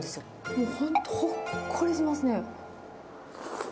もう本当、ほっこりしますね。